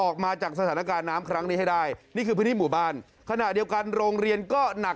อบพยุบสัตว์เลี้ยง